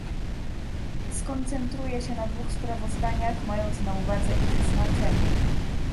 Skoncentruję się na dwóch sprawozdaniach, mając na uwadze ich znaczenie